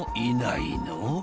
いないの？